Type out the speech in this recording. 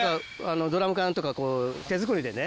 ドラム缶とかこう手作りでね。